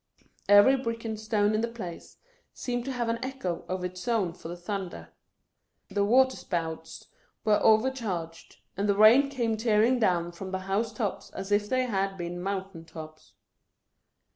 Every brick and stone in the place seemed to have an echo of its own for the thunder. The water spouts were overcharged, and the rain came tearing down from the house tops as if they had been mountain tops.